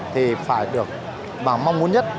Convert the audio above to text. thì phải được và mong muốn nhất